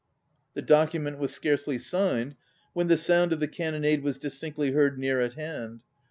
The document was scarcely signed when the sound of the cannonade was distinctly heard near at hand.